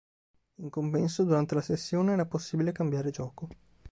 In compenso, durante la sessione era possibile cambiare gioco.